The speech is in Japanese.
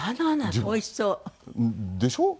おいしそう。でしょう？